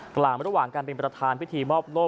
ระหว่างการเป็นประธานพิธีมอบโลก